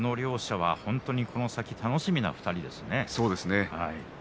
この両者は本当にこの先楽しみな２人です。